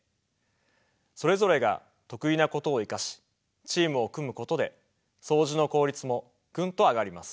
それぞれが得意なことを生かしチームを組むことでそうじの効率もぐんと上がります。